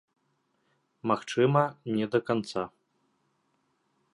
Магчыма, не да канца.